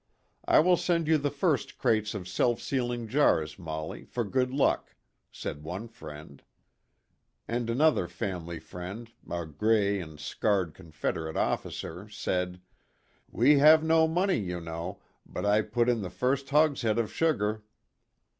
"I will send you the first crates of self sealing jars, Molly, for good luck," said one friend. PLAY AND WORK. 85 And another family friend, a gray and scarred Confederate officer said, " We have no money, you know, but I put in the first hogshead of sugar."